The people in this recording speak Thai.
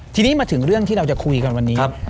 ทีนี้มาถึงเรื่องที่เราจะคุยกันวันนี้